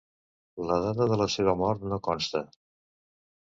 La data de la seva mort no consta.